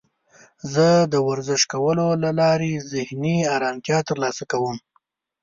زه د ورزش کولو له لارې ذهني آرامتیا ترلاسه کوم.